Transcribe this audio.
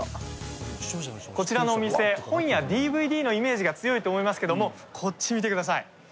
こちらのお店本やＤＶＤのイメージが強いと思いますけどもこっちを見てください。